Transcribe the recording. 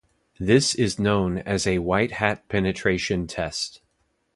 This is known as a white hat penetration test.